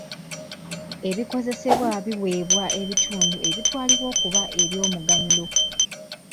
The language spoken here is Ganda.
Ebikozesebwa biweebwa ebitundu ebitwalibwa okuba eby'omuganyulo.